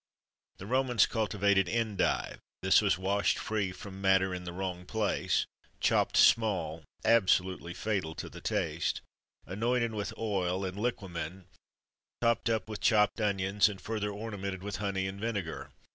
The Romans cultivated endive; this was washed free from "matter in the wrong place," chopped small absolutely fatal to the taste anointed with oil and liquamen, topped up with chopped onions, and further ornamented with honey and vinegar.